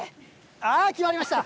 ああ、決まりました！